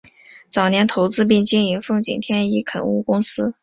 早年投资并经营奉锦天一垦务公司。